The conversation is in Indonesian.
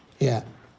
ya sebelah kanan